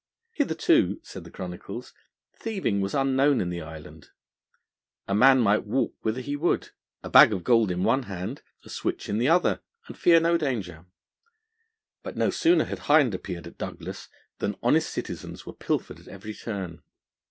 Hitherto, said the Chronicles, thieving was unknown in the island. A man might walk whither he would, a bag of gold in one hand, a switch in the other, and fear no danger. But no sooner had Hind appeared at Douglas than honest citizens were pilfered at every turn.